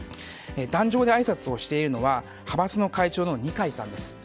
壇上であいさつをしているのは派閥の会長の二階さんです。